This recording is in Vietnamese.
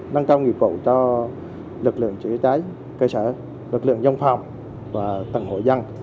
nâng cao nghiệp vụ cho lực lượng chữa cháy cơ sở lực lượng dân phòng và tầng hội dân